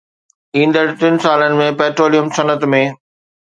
ايندڙ ٽن سالن ۾ پيٽروليم صنعت ۾